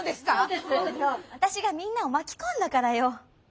私がみんなを巻き込んだからよ。